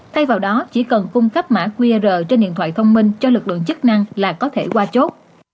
thay vào đó chỉ cần cung cấp mã qr trên điện thoại thông minh cho lực lượng chức năng là có thể qua chốt